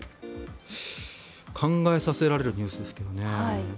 考えさせられるニュースですけどね。